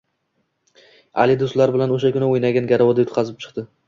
Ali do`stlari bilan o`sha kuni o`ynagan garovida yutib chiqdi